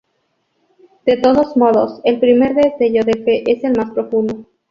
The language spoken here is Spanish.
De todos modos, el primer destello de fe es el más profundo.